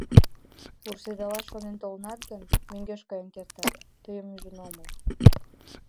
— Вурседылаш шонен толынат гын, мӧҥгеш каен кертат, тыйым ӱжын омыл.